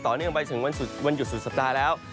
เนื่องไปถึงวันหยุดสุดสัปดาห์แล้ว